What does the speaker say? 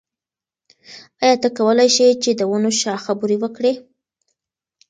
آیا ته کولای شې چې د ونو شاخه بري وکړې؟